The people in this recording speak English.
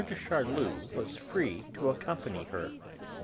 de Charlus was free to accompany her.